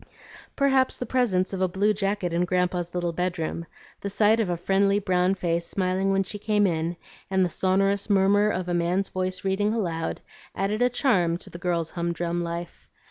Perhaps the presence of a blue jacket in Grandpa's little bedroom, the sight of a friendly brown face smiling when she came in, and the sonorous murmur of a man's voice reading aloud, added a charm to the girl's humdrum life.